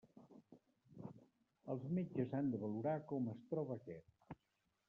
Els metges han de valorar com es troba aquest.